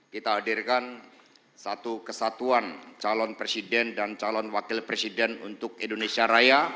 kita hadirkan satu kesatuan calon presiden dan calon wakil presiden untuk indonesia raya